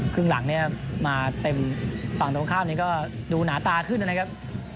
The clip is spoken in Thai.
ครึ่งหลังเนี่ยมาเต็มฝั่งตรงข้ามนี้ก็ดูหนาตาขึ้นนะครับ